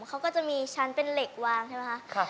เขาก็จะมีชั้นเป็นเหล็กวางใช่ไหมคะ